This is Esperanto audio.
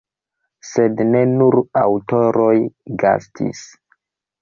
Sed ne nur aŭtoroj gastis.